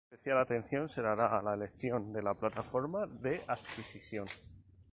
Especial atención se dará a la elección de la plataforma de adquisición.